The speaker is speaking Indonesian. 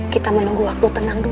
kita menunggu waktu tenang dulu